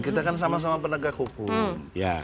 kita kan sama sama penegak hukum